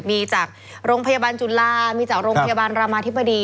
มีจากโรงพยาบาลจุฬามีจากโรงพยาบาลรามาธิบดี